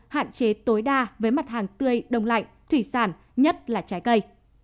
hạn chế tối đa với mặt hàng tươi đông lạnh thủy sản nhất là trái cây